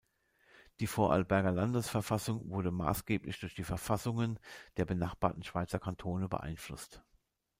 Die Vorarlberger Landesverfassung wurde maßgeblich durch die Verfassungen der benachbarten Schweizer Kantone beeinflusst.